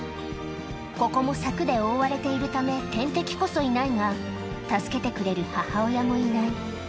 ここも柵で覆われているため、天敵こそいないが、助けてくれる母親もいない。